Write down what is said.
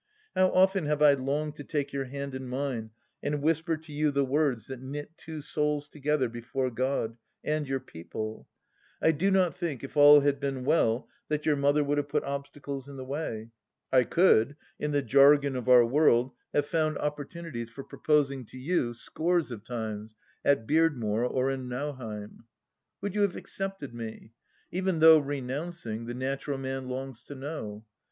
" How often have I longed to take your hand in mine and whisper to you the words that knit two souls together before God — and your people ! I do not think, if all had been well, that your mother would have put obstacles in the way. t could, in the jargon of our world, have found opportunities THE LAST DITCH 63 for proposing to you scores of times at Beardmore or in Nauheim. "Would you have accepted me ? Even though renouncing, the natural man longs to know.